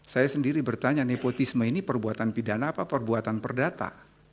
saya sendiri bertanya nepotisme ini perbuatan pidana apa perbuatan perdata